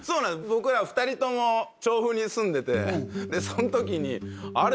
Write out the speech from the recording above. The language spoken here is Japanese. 僕ら２人とも調布に住んでてその時にあれ偶然？